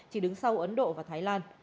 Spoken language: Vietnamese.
chỉ đứng sau ấn độ và thái lan